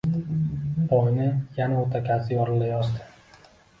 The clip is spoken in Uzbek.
Boyni yana o‘takasi yorilayozdi.